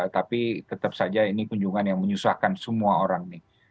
tapi tetap saja ini kunjungan yang menyusahkan semua orang nih